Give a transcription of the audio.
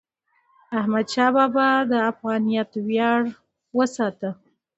احمدشاه بابا د افغانیت ویاړ وساته.